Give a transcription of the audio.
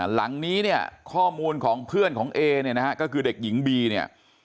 หลังนี้เนี่ยข้อมูลของเพื่อนของเอเนี่ยนะฮะก็คือเด็กหญิงบีเนี่ย